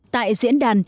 tại diễn đàn